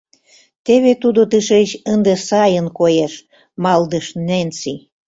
Теве тудо тышеч ынде сайын коеш, — малдыш Ненси.